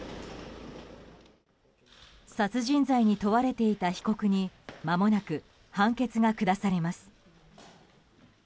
殺人罪に問われていた被告にまもなく判決が下されます。